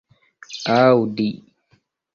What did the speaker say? aŭdi